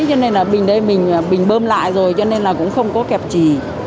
cho nên là bình đấy bình bơm lại rồi cho nên là cũng không có kẹp chì